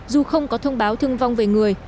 dù không có thông báo thương vong về người